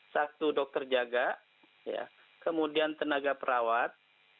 satu dokter jaga kemudian tenaga perawat